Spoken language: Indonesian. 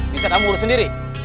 bisa kamu urus sendiri